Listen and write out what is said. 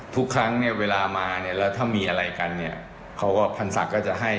ทุกครั้งเวลามาแล้วถ้ามีอะไรกันเขาก็พันธ์ศักดิ์ก็จะให้